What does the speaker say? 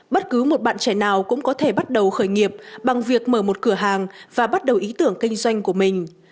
bất cứ một bạn trẻ nào cũng có thể bắt đầu khởi nghiệp bằng việc mở một cửa hàng và bắt đầu ý tưởng kinh doanh của mình